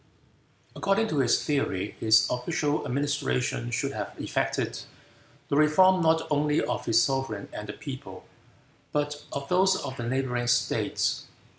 According to his theory, his official administration should have effected the reform not only of his sovereign and the people, but of those of the neighboring states.